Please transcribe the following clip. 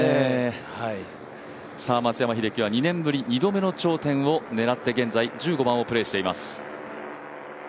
松山英樹は２年目２度目の頂点を狙って現在１５番をプレーしています。